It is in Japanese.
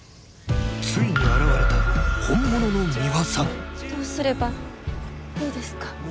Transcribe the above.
ついに現れた本物の「ミワさん」どうすればいいですか？